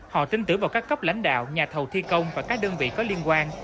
họ tin tưởng vào các cấp lãnh đạo nhà thầu thi công và các đơn vị có liên quan